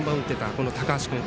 この高橋君。